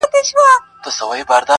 انسان وجدان سره مخ دی تل,